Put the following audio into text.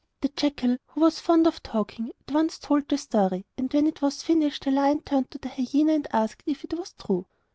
The jackal, who was fond of talking, at once told the story; and when it was finished the lion turned to the hyena and asked if it was true.